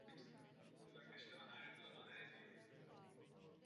Seriál je natočen podle anglických legend.